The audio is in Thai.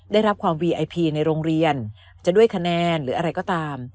ได้รับความวีไอพีในโรงเรียนจะด้วยคะแนนหรืออะไรก็ตาม